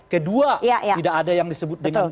kedua tidak ada yang disebut dengan